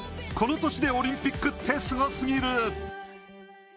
この年でオリンピックってすごすぎる！